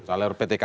salar ptk itu ya